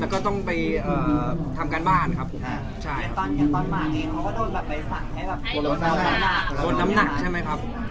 ก็ต้องมีบ้างครับผมน่ะนะครับ